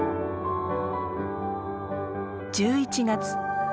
１１月。